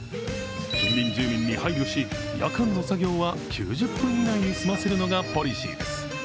近隣住民に配慮し、夜間の作業は９０分以内に済ませるのがポリシーです。